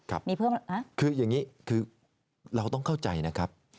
คืออย่างนี้เราต้องเข้าใจนะครับ